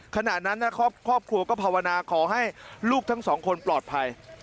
ขณะนั้นครอบครัวก็ภาวนาขอให้ลูกทั้งสองคนปลอดภัย